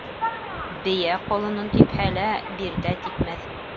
Бейә ҡолонон типһә лә, биртә типмәҫ.